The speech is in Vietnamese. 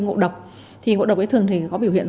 ngộ độc thì ngộ độc thường thì có biểu hiện